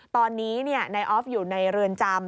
ตอนนี้นายออฟอยู่ในเรือนจำ